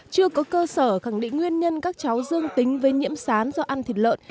chưa có cơ sở khẳng định nguyên nhân các cháu dương tính với nhiễm sán do ăn thịt lợn